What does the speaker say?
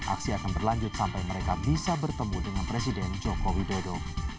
aksi akan berlanjut sampai mereka bisa bertemu dengan presiden joko widodo